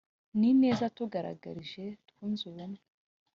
n ineza yatugaragarije twunze ubumwe